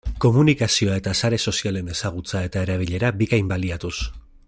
Komunikazioa eta sare sozialen ezagutza eta erabilera bikain baliatuz.